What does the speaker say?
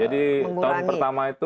jadi tahun pertama itu